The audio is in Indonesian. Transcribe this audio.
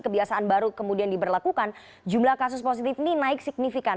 kebiasaan baru kemudian diberlakukan jumlah kasus positif ini naik signifikan